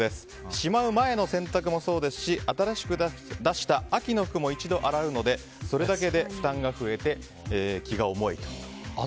しまう前の洗濯もそうですし新しく出した秋の服も一度洗うのでそれだけで負担が増えて気が重い。